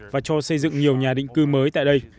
và cho xây dựng nhiều nhà định cư mới tại đây